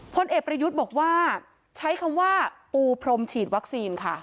พลเอกประยุทธ์บอกว่าใช้คำว่าปูพรมฉีดวัคซีนค่ะ